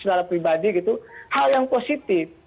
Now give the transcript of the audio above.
secara pribadi gitu hal yang positif